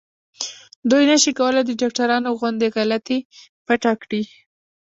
دوی نشي کولای د ډاکټرانو غوندې غلطي پټه کړي.